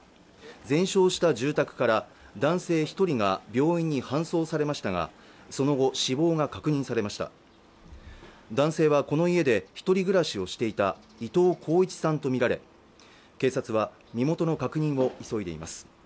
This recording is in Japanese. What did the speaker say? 全焼した住宅から男性一人が病院に搬送されましたがその後死亡が確認されました男性はこの家で一人暮らしをしていた伊藤浩一さんと見られ警察は身元の確認を急いでいます